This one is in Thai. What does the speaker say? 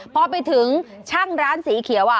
พอไปถึงช่างร้านสีเขียว